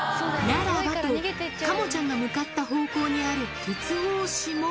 ならばと、カモちゃんが向かった方向にある鉄格子も。